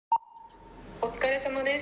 お疲れさまです。